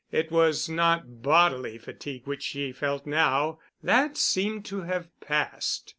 It was not bodily fatigue which she felt now. That seemed to have passed.